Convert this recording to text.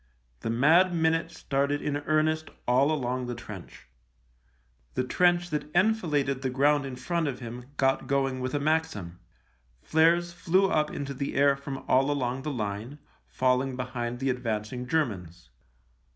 The mad minute started in earnest all along the trench. The trench that enfiladed the ground in front of him got going with a Maxim, flares flew up into the air from all along the line, falling behind the advancing Germans.